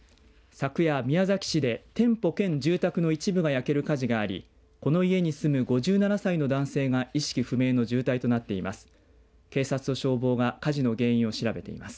昨夜、宮崎市で店舗兼住宅の一部が焼ける火事がありこの家に住む５７歳の男性が意識不明の重体となっています。